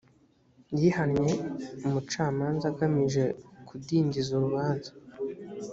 yihannye umucamanza agamije kudindiza urubanza